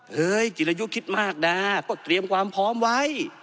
จิรยุคิดมากนะก็เตรียมความพร้อมไว้